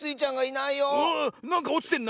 なんかおちてんな！